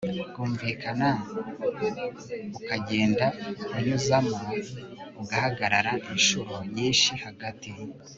bwumvikana ukagenda unyuzamo ugahagarara inshuro nyinshi hagati